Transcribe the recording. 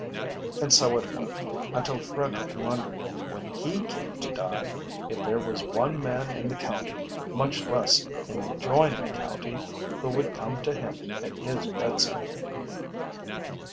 And so it went, until Frederick wondered, when he came to die, if there was one man in the county, much less in the adjoining county, who would come to him at his bedside.